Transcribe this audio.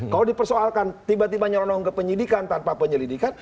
kalau dipersoalkan tiba tiba nyonong ke penyidikan tanpa penyelidikan